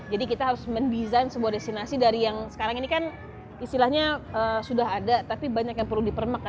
jadi kita harus mendesain sebuah destinasi dari yang sekarang ini kan istilahnya sudah ada tapi banyak yang perlu dipermak